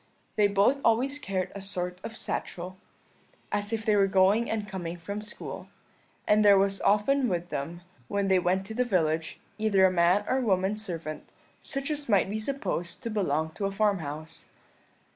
They both always carried a sort of satchel, as if they were going and coming from school; and there was often with them, when they went to the village, either a man or woman servant, such as might be supposed to belong to a farmhouse.